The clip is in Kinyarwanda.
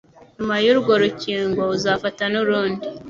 nyuma y'urwo rukingo uzafata nurundi